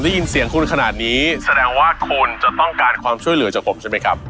ได้ยินเสียงคุณขนาดนี้แสดงว่าคนจะต้องการความช่วยเหลือจากผมใช่ไหมครับ